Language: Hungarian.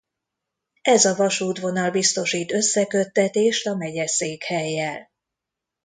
Ez a vasútvonal biztosít összeköttetést a megyeszékhellyel.